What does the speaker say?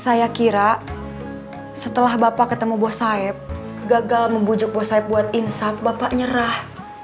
saya kira setelah bapak ketemu bos saeb gagal membujuk bos saeb buat insap bapak nyerah